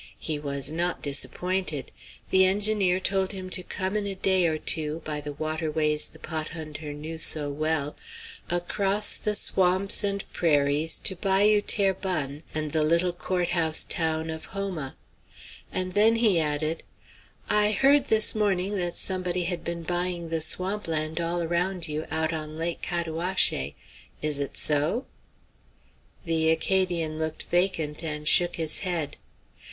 He was not disappointed. The engineer told him to come in a day or two, by the waterways the pot hunter knew so well, across the swamps and prairies to Bayou Terrebonne and the little court house town of Houma. And then he added: "I heard this morning that somebody had been buying the swamp land all around you out on Lake Cataouaché. Is it so?" The Acadian looked vacant and shook his head.